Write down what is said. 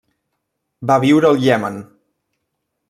Va viure al Iemen.